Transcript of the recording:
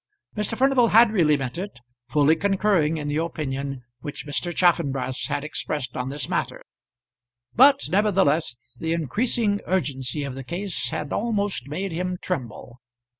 Mr. Furnival had really meant it, fully concurring in the opinion which Mr. Chaffanbrass had expressed on this matter; but nevertheless the increasing urgency of the case had almost made him tremble.